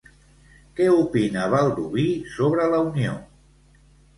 Què opina Baldoví sobre la unió?